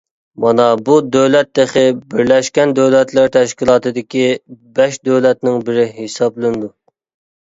مانا بۇ دۆلەت تېخى بىرلەشكەن دۆلەتلەر تەشكىلاتىدىكى بەش دۆلەتنىڭ بىرى ھېسابلىنىدۇ.